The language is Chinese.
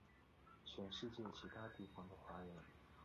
全世界其他地方的华人